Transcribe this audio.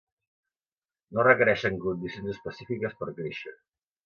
No requereixen condicions específiques per a créixer.